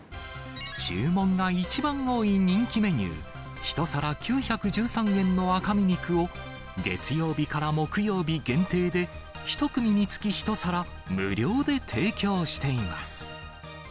注文が一番多い人気メニュー、１皿９１３円の赤身肉を、月曜日から木曜日限定で、１組につき１皿、無料で提供しています。